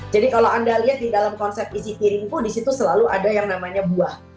jadi kalau anda lihat di dalam konsep isi tirinku di situ selalu ada yang namanya buah